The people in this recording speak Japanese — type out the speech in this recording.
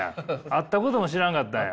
あったことも知らんかったんや。